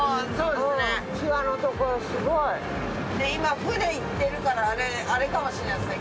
で今船行ってるからあれかもしれないですね